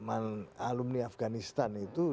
alumni afganistan itu